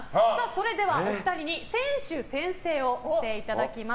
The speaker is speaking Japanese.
それではお二人に選手宣誓をしていただきます。